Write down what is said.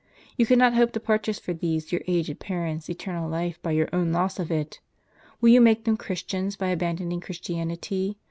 You cannot hope to purchase for these your aged parents, eternal life by your own loss of it. Will you make them Christians by abandoning Christianity?